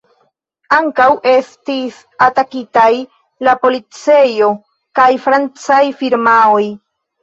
Ankaŭ estis atakitaj la policejo kaj francaj firmaoj.